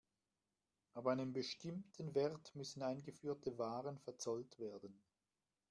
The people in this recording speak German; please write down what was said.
Ab einem bestimmten Wert müssen eingeführte Waren verzollt werden.